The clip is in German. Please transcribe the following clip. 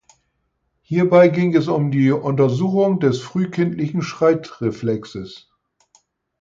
Hierbei ging es um die Untersuchung des frühkindlichen Schreitreflexes.